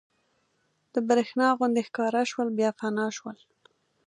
د برېښنا غوندې ښکاره شول بیا فنا شول.